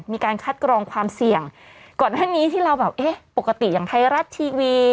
มีการคัดกรองความเสี่ยงก่อนหน้านี้ที่เราแบบเอ๊ะปกติอย่างไทยรัฐทีวี